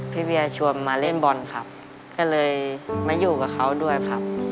พี่เวียชวนมาเล่นบอลครับก็เลยมาอยู่กับเขาด้วยครับ